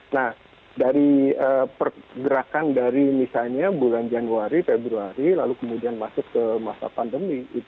nah dari pergerakan dari misalnya bulan januari februari lalu kemudian masuk ke masa pandemi